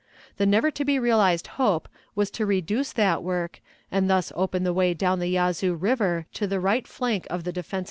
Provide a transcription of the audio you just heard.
The never to be realized hope was to reduce that work, and thus open the way down the Yazoo River to the right flank of the defenses of Vicksburg.